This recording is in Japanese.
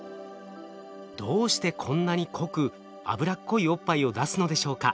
どうしてこんなに濃く脂っこいおっぱいを出すのでしょうか？